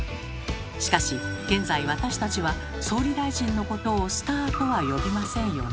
しかし現在私たちは総理大臣のことをスターとは呼びませんよね。